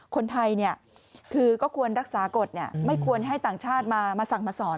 คนไทยคือก็ควรรักษากฎไม่ควรให้ต่างชาติมาสั่งมาสอน